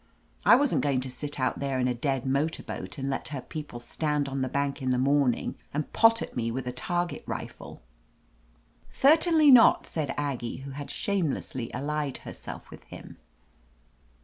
I wasn't going to sit out there in a dead motor boat and let her people stand on the bank in the morning and pot at me with a target rifle." "Thirtainly notl" said Aggie, who had shamelessly allied herself with him.